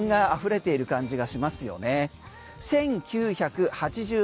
確かに気品があふれている感じがしますよね。